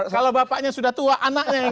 kalau bapaknya sudah tua anaknya yang